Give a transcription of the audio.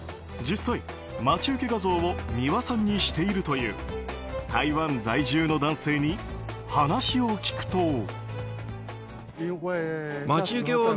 実際、待ち受け画像を美輪さんにしているという台湾在住の男性に話を聞くと。